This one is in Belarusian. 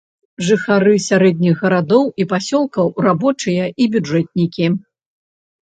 Жыхары сярэдніх гарадоў і пасёлкаў, рабочыя і бюджэтнікі.